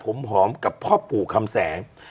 เป็นแม่ย่าผมหอมกับพ่อปู่คำแสง